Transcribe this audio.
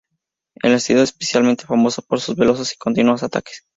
El estilo es especialmente famoso por sus veloces y continuos ataques.